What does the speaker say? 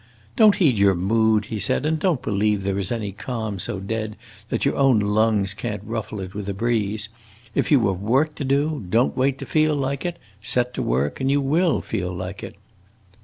"Don't heed your mood," he said, "and don't believe there is any calm so dead that your own lungs can't ruffle it with a breeze. If you have work to do, don't wait to feel like it; set to work and you will feel like it."